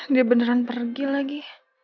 dia beneran pergi lagi